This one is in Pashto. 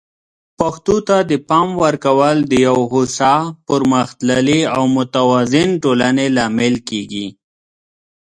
پښتو ته د پام ورکول د یو هوسا، پرمختللي او متوازن ټولنې لامل کیږي.